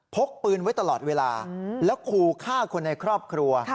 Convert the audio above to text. กปืนไว้ตลอดเวลาแล้วขู่ฆ่าคนในครอบครัว